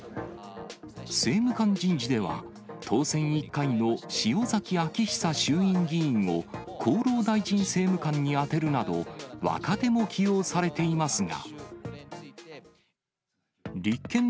政務官人事では、当選１回の塩崎彰久衆院議員を厚労大臣政務官に充てるなど、若手も起用されていますが。